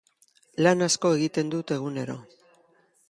Lan asko egiten dut egunero.